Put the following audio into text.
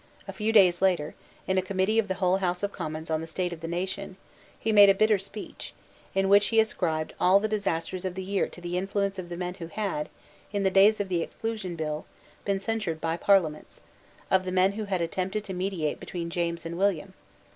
A few days later, in a committee of the whole House of Commons on the state of the nation, he made a bitter speech, in which he ascribed all the disasters of the year to the influence of the men who had, in the days of the Exclusion Bill, been censured by Parliaments, of the men who had attempted to mediate between James and William.